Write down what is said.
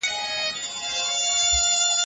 د زده کړې ملاتړ د ماشومانو د پلار مهمه دنده ده.